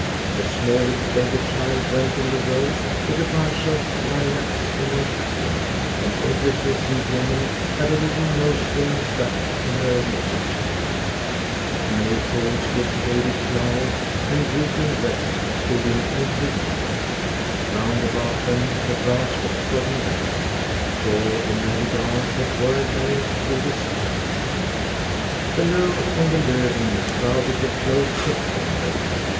The smallest beggar child went on the road with a bunch of lilacs in her hand, and every peasant woman had a little nosegay stuck in her neckerchief. Maypoles with faded flowers and drooping wreaths stood in every yard. Round about them the grass was trodden down, for the merry dance had whirled there through the summer night. Below on the Lofven crowded the floats of timber.